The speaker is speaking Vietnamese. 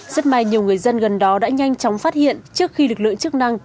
rất may nhiều người dân gần đó đã nhanh chóng